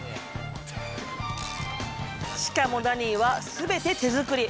しかもダニーは全て手作り。